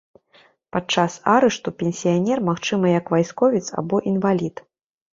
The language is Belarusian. Падчас арышту пенсіянер, магчыма, як вайсковец або інвалід.